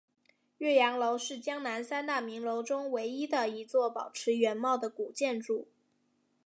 岳阳楼是江南三大名楼中唯一的一座保持原貌的古建筑。